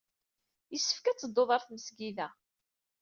Yessefk ad dduɣ ɣer tmesgida.